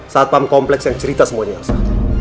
saat pam kompleks yang cerita semuanya elsa